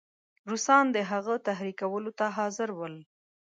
روسان د هغه تحریکولو ته حاضر ول.